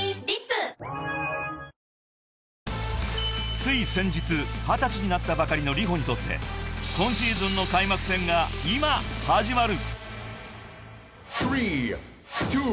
［つい先日２０歳になったばかりのＲｉｈｏにとって今シーズンの開幕戦が今始まる］